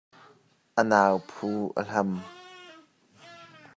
A nau phu a hlam.